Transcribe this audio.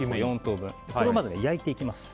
これをまず焼いていきます。